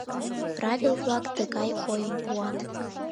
Правил-влак тыгай ойым пуат: